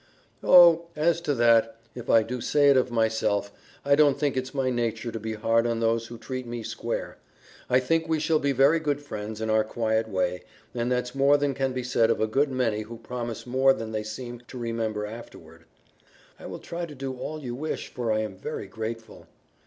"Oh, as to that, if I do say it of myself, I don't think it's my nature to be hard on those who treat me square. I think we shall be very good friends in our quiet way, and that's more than can be said of a good many who promise more than they seem to remember afterward." "I will try to do all you wish for I am very grateful."